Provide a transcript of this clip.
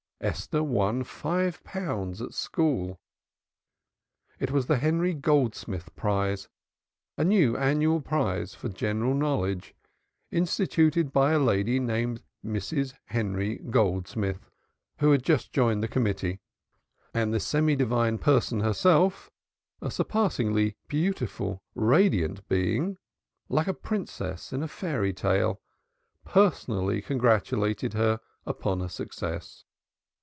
Esther won five pounds at school. It was the Henry Goldsmith prize, a new annual prize for general knowledge, instituted by a lady named Mrs. Henry Goldsmith who had just joined the committee, and the semi divine person herself a surpassingly beautiful radiant being, like a princess in a fairy tale personally congratulated her upon her success.